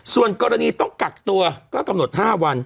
ส่วนกรณีต้องกักตัวก็กำหนด๕วัน